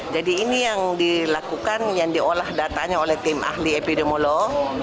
jadi ini yang dilakukan yang diolah datanya oleh tim ahli epidemiolog